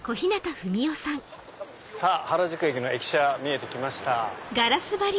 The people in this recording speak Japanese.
さぁ原宿駅の駅舎見えてきました。